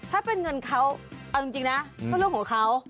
ถ้าเป็นเงินเค้าจริงนะเพื่อนรั่วของเค้า